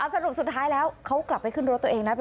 สรุปสุดท้ายแล้วเขากลับไปขึ้นรถตัวเองนะ